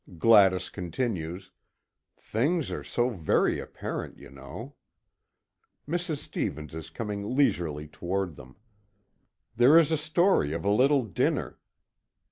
Gladys continues: "Things are so very apparent, you know." Mrs. Stevens is coming leisurely toward them. "There is a story of a little dinner."